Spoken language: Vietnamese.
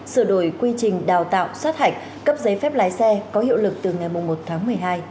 sửa đổi quy trình đào tạo sát hạch cấp giấy phép lái xe có hiệu lực từ ngày một tháng một mươi hai